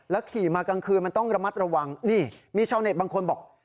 ขี่มากลางคืนมันต้องระมัดระวังนี่มีชาวเน็ตบางคนบอก